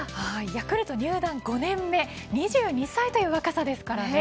ヤクルト入団５年目２２歳という若さですからね。